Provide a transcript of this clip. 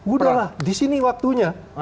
udah lah disini waktunya